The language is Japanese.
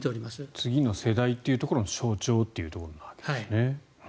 次の世代というところの象徴なわけですね。